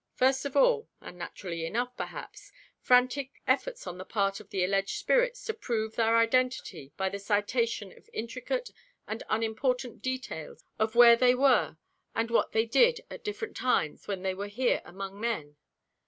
First of all—and naturally enough, perhaps—frantic efforts on the part of the alleged spirits to prove their identity by the citation of intricate and unimportant details of where they were and what they did at different times when they were here among men.